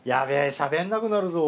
しゃべんなくなるぞ。